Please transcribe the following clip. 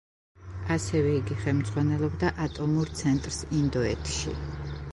ასევე იგი ხელმძღვანელობდა ატომურ ცენტრს ინდოეთში.